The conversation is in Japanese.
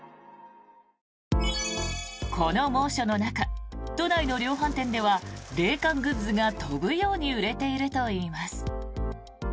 この猛暑の中、都内の量販店では冷感グッズが飛ぶように売れているといいます。